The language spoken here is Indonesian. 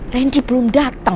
randy belum dateng